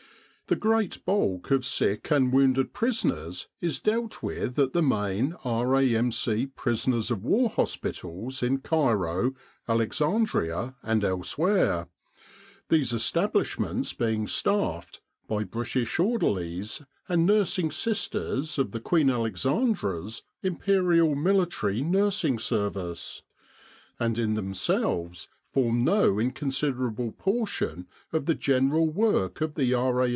The great bulk of sick and wounded prisoners is dealt with at the , main R.A.M.C Prisoners of War Hospitals in Cairo, Alexandria, and elsewhere, these establishments being staffed by British orderlies and nursing sisters of the Q.A.I.M.N.S., and in themselves form no inconsider able portion of the general work of the R.A.